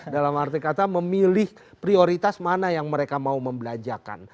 dalam arti kata memilih prioritas mana yang mereka mau membelanjakan